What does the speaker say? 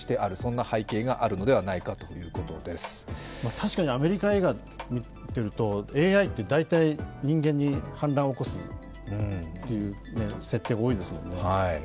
確かにアメリカ映画を見ていると、ＡＩって大体、人間に反乱を起こすという設定が多いですもんね。